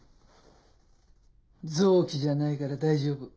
臓器じゃないから大丈夫。